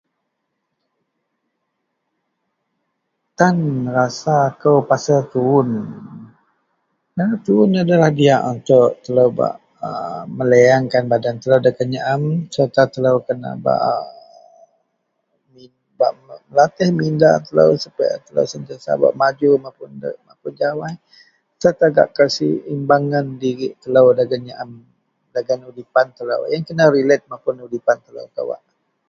tan rasa kou pasal tuwun nang tuwun adalah diak untuk telou bak a melieangkan badan telou dagen nyaam serta telou kena baaak bak melatih minda telou supaya telou sentiasa bak maju mapun jawai serta gak kesimbangan dirik telou dagen nyaam dagen udipan telou ien kena relek mapun udipan telo kawa